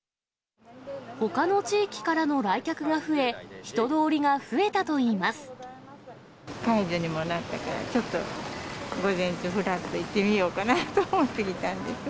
ほかの地域からの来客が増え、解除にもなったから、ちょっと午前中、ふらっと行ってみようかなと思って来たんです。